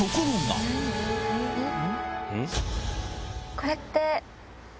これって？